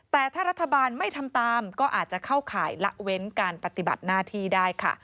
แต่ถ้ารัฐบาลไม่ทำตามก็อาจจะเข้าข่ายละเว้นการปฏิบัติหน้าที่ได้ค่ะ